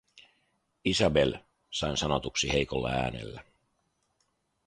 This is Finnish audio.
“Isabelle?”, sain sanotuksi heikolla äänellä.